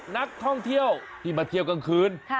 นักท่องเที่ยวที่มาเที่ยวกลางคืน